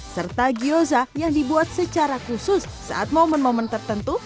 serta kioza yang dibuat secara khusus saat momen momen tertentu